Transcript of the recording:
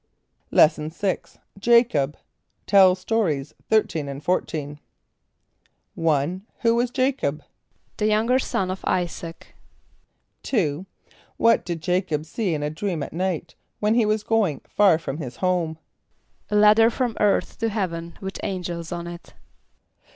= Lesson VI. Jacob. (Tell Stories 13 and 14.) =1.= Who was J[=a]´cob? =The younger son of [=I]´[s+]aac.= =2.= What did J[=a]´cob see in a dream at night, when he was going far from his home? =A ladder from earth to heaven with angels on it.